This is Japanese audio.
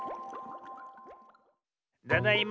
ただいま。